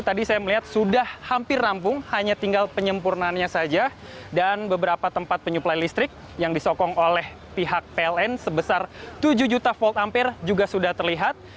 tadi saya melihat sudah hampir rampung hanya tinggal penyempurnaannya saja dan beberapa tempat penyuplai listrik yang disokong oleh pihak pln sebesar tujuh juta volt ampere juga sudah terlihat